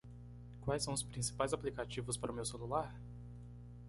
Quais são os principais aplicativos para o meu celular?